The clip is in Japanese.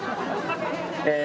え